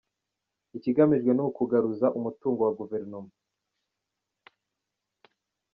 Ikigamijwe ni ukugaruza umutungo wa guverinoma”.